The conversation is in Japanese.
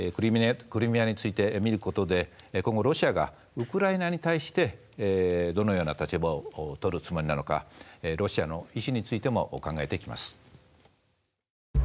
クリミアについて見る事で今後ロシアがウクライナに対してどのような立場を取るつもりなのかロシアの意志についても考えていきます。